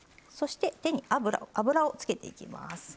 そして手に油をつけていきます。